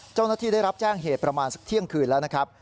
เจ้าหน้าที่ได้รับแจ้งเหตุประมาณสักเที่ยงคืนแล้วนะครับ